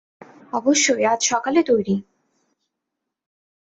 অবশ্যই, আজ সকালে তৈরি।